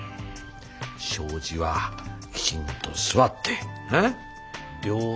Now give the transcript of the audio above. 障子はきちんと座って両手で開ける。